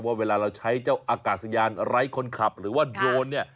เวลาเราใช้เจ้าอากาศยานไร้คนขับหรือว่าโดรนเนี่ย